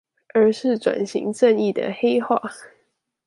而是轉型正義的黑話